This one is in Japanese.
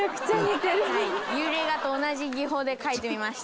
幽霊画と同じ技法で描いてみました。